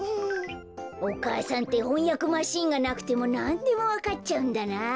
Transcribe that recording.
お母さんってほんやくマシーンがなくてもなんでもわかっちゃうんだな。